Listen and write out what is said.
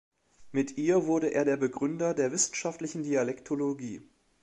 Mit ihr wurde er der Begründer der wissenschaftlichen Dialektologie.